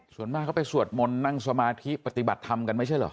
ส่วนมากเขาไปสวดมนต์นั่งสมาธิปฏิบัติธรรมกันไม่ใช่เหรอ